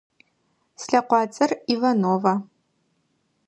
Слъэкъуацӏэр Иванова.